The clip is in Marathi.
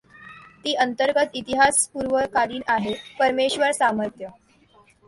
ती अंतर्गत इतिहासपूर्वकलीन आहे परमेश्वर सामर्थ्य.